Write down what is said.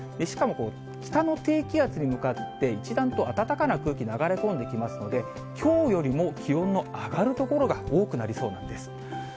しかも、北の低気圧に向かって、一段と暖かな空気流れ込んできますので、きょうよりも気温の上がる所が多くなりそうなんです。